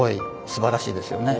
すばらしいですよね。